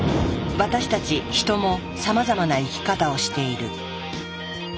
私たちヒトもさまざまな生き方をしている。